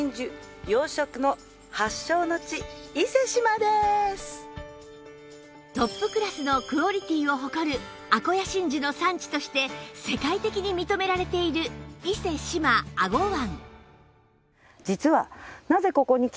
なんとトップクラスのクオリティーを誇るアコヤ真珠の産地として世界的に認められている伊勢志摩英虞湾